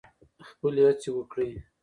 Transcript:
خپلې هڅې وکړئ.